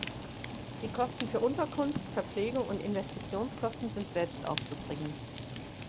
Die Kosten für Unterkunft, Verpflegung und Investitionskosten sind selbst aufzubringen.